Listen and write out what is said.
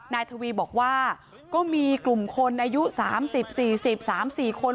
นายทวีบอกว่าก็มีกลุ่มคนอายุ๓๐๔๐๓๔คน